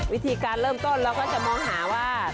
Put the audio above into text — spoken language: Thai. วิธีการเริ่มต้นเราก็จะมองหาว่า